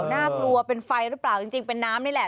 น่ากลัวเป็นไฟหรือเปล่าจริงเป็นน้ำนี่แหละ